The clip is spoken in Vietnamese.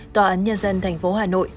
tòa án nhân dân thành phố hà nội